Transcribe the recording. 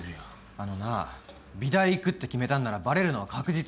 あのなぁ美大行くって決めたんならバレるのは確実。